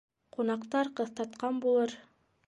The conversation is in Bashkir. Ҡунаҡтар ҡыҫтатҡан булыр.